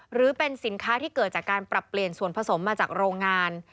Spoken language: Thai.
หรือเป็นสินค้าที่เกิดจากการปรับเปลี่ยนส่วนผสมมาจากโรงงาน